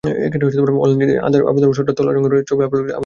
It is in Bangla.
অনলাইন আবেদনপত্রে সদ্য তোলা রঙিন ছবি আপলোড করে আবেদন সম্পন্ন করতে হবে।